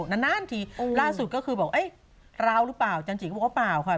นานทีล่าสุดก็คืออ๊ะราวหรือเปล่าจันจรี่ก็บอกว่าเปล่า